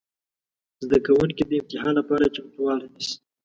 زده کوونکي د امتحان لپاره چمتووالی نیسي.